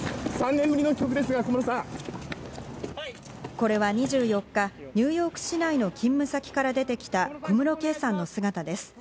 これは２４日、ニューヨーク市内の勤務先から出てきた小室圭さんの姿です。